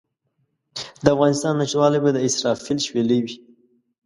د افغانستان نشتوالی به د اسرافیل شپېلۍ وي.